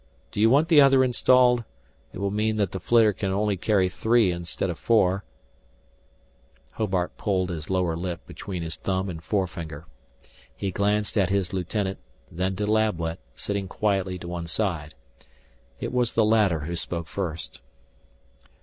Do you want the other installed? It will mean that the flitter can only carry three instead of four " Hobart pulled his lower lip between his thumb and forefinger. He glanced at his lieutenant then to Lablet, sitting quietly to one side. It was the latter who spoke first.